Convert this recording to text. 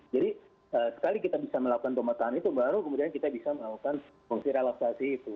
jadi sekali kita bisa melakukan pemetaan itu baru kemudian kita bisa melakukan foksir relaksasi itu